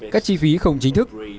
các chi phí không chính thức